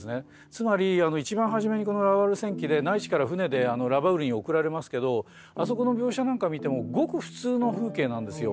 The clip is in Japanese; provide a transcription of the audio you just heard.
つまり一番初めにこの「ラバウル戦記」で内地から船でラバウルに送られますけどあそこの描写なんか見てもごく普通の風景なんですよ。